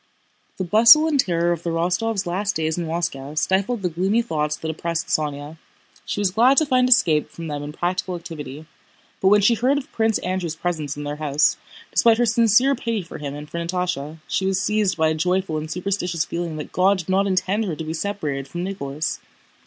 The bustle and terror of the Rostóvs' last days in Moscow stifled the gloomy thoughts that oppressed Sónya. She was glad to find escape from them in practical activity. But when she heard of Prince Andrew's presence in their house, despite her sincere pity for him and for Natásha, she was seized by a joyful and superstitious feeling that God did not intend her to be separated from Nicholas.